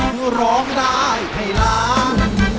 คือร้องได้ให้ล้าน